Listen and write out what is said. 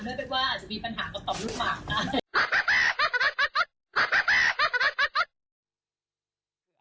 เพราะว่าอาจจะมีปัญหากับต่อลูกหลัก